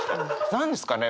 何ですかね？